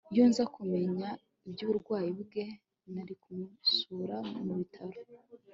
iyo nza kumenya iby'uburwayi bwe, nari kumusura mu bitaro